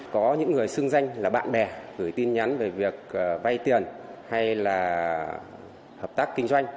có những người xưng danh là bạn bè gửi tin nhắn về việc vay tiền hay là hợp tác kinh doanh